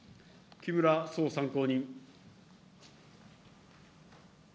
木村壮参考人。